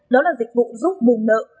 đó là dịch vụ giúp bùng nợ